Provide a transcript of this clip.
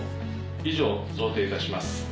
以上贈呈いたします。